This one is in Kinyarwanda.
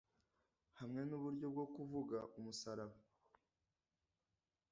hamwe n’uburyo bwo kuvuga umusaraba